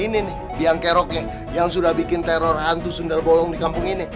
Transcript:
ini nih biang keroknya yang sudah bikin teror hantu sundelbolong di kampung ini